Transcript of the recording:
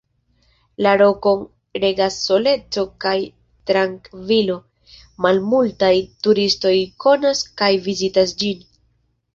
La rokon regas soleco kaj trankvilo; malmultaj turistoj konas kaj vizitas ĝin.